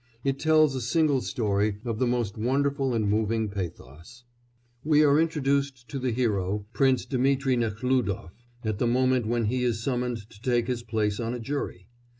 It tells a single story of the most wonderful and moving pathos. We are introduced to the hero Prince Dmitri Nekhlúdof at the moment when he is summoned to take his place on a jury.